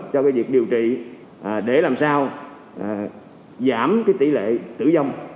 cho việc điều trị để làm sao giảm tiêu chuẩn